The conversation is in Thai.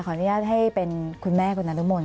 อนุญาตให้เป็นคุณแม่คุณนรมนต